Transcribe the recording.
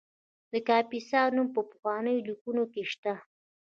د کاپیسا نوم په پخوانیو لیکنو کې شته